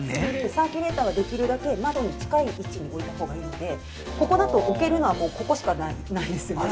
サーキュレーターはできるだけ窓に近い位置に置いたほうがいいのでここだと、置けるのはここしかないですよね。